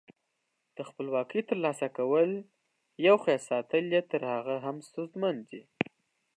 د خپلواکۍ تر لاسه کول یو، خو ساتل یې تر هغه هم ستونزمن دي.